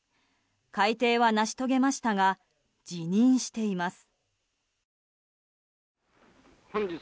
改定は成し遂げましたが辞任しています。